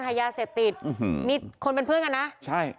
ยาเสพติดอืมนี่คนเป็นเพื่อนกันนะใช่